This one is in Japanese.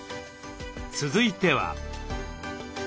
続いては。